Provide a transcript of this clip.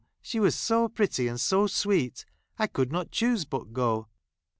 she was so pretty and so sweet, I could not choose but go."